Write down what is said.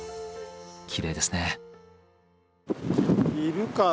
きれいですね。